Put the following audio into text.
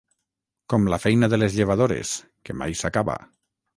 Com la feina de les llevadores, que mai s'acaba.